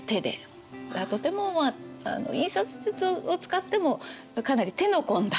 だからとてもまあ印刷術を使ってもかなり手の込んだ。